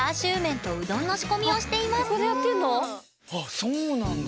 あっそうなんだ。